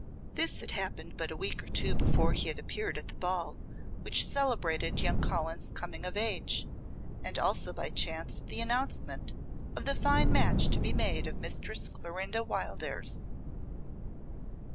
This had happened but a week or two before he had appeared at the ball which celebrated young Colin's coming of age, and also by chance the announcement of the fine match to be made of Mistress Clorinda Wildairs.